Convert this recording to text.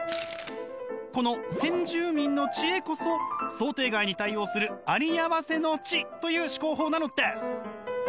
この先住民の知恵こそ想定外に対応するありあわせの知という思考法なのです！